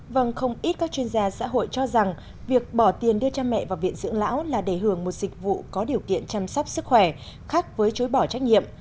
vâng không ít các chuyên gia xã hội cho rằng việc bỏ tiền đưa cha mẹ vào viện dưỡng lão là để hưởng một dịch vụ có điều kiện chăm sóc sức khỏe khác với chối bỏ trách nhiệm